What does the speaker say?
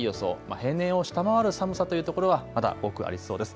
平年を下回る寒さというところはまだ多くありそうです。